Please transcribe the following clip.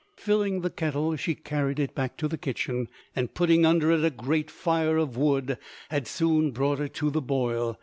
Filling the kettle she carried it back to the kitchen, and putting under it a great fire of wood had soon brought it to the boil.